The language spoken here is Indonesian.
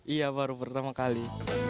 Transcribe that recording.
iya baru pertama kali